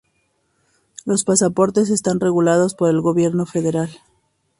Los pasaportes están regulados por el gobierno federal.